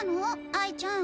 哀ちゃん。